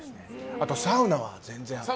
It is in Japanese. あと、サウナは全然。